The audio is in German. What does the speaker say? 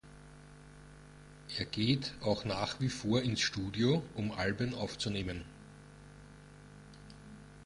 Er geht auch nach wie vor ins Studio, um Alben aufzunehmen.